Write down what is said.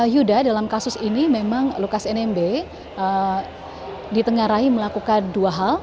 yuda dalam kasus ini memang lukas nmb ditengarai melakukan dua hal